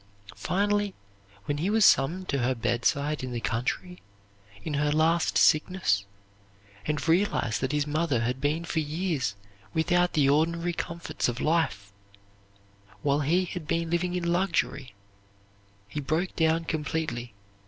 Finally, when he was summoned to her bedside in the country, in her last sickness, and realized that his mother had been for years without the ordinary comforts of life, while he had been living in luxury, he broke down completely.